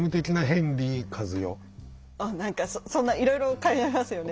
何かそんないろいろ考えますよね。